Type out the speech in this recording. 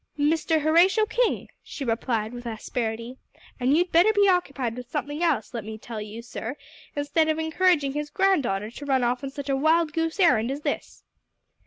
"Mr. Horatio King," she replied with asperity, "and you'd better be occupied with something else, let me tell you, sir, instead of encouraging his granddaughter to run off on such a wild goose errand as this."